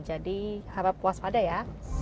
jadi harap waspadai ya